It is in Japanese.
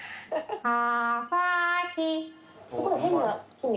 ああ。